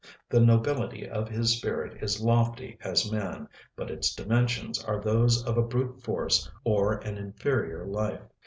The nobility of his spirit is lofty as man, but its dimensions are those of a brute force or an inferior life.